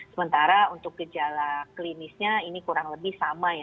sementara untuk gejala klinisnya ini kurang lebih sama ya